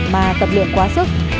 mà tập luyện quá sức